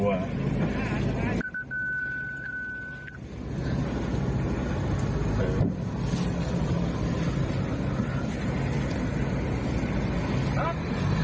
ครับ